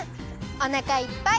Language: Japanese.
おなかいっぱい！